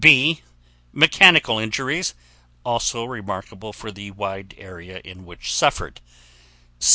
B. Mechanical injuries, also remarkable for the wide area in which suffered.